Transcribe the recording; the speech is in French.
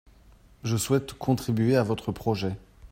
Je souhaite contribuer à votre projet.